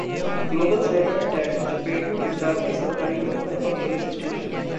global cyber attack: चपेट में गुजरात के सरकारी दफ्तर और पुलिस स्टेशन